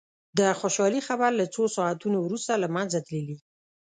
د خوشالي خبر له څو ساعتونو وروسته له منځه تللي.